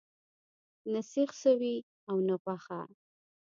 نه سیخ سوی او نه غوښه.